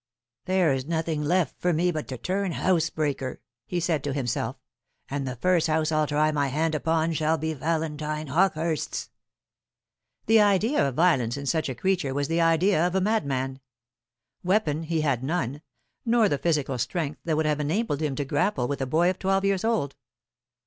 "There's nothing left for me but to turn housebreaker," he said to himself; "and the first house I'll try my hand upon shall be Valentine Hawkehurst's." The idea of violence in such a creature was the idea of a madman. Weapon he had none, nor the physical strength that would have enabled him to grapple with a boy of twelve years old.